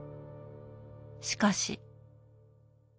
しかし。